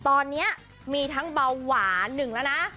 ตอนนี้มีทั้งเบาหวานหนึ่งแล้วนะ